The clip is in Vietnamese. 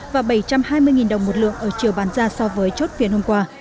và bảy trăm hai mươi đồng một lượng ở chiều bán ra so với chốt phiên hôm qua